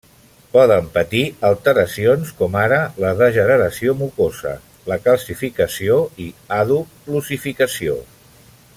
Poden patir alteracions com ara la degeneració mucosa, la calcificació i àdhuc l'ossificació.